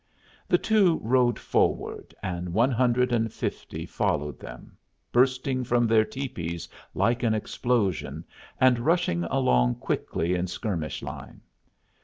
The two rode forward, and one hundred and fifty followed them, bursting from their tepees like an explosion, and rushing along quickly in skirmish line.